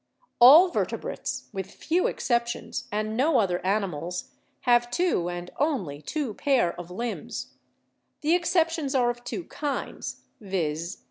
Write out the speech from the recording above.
"All vertebrates, with few exceptions, and no other animals, have two and only two pair of limbs. The excep tions are of two kinds, viz.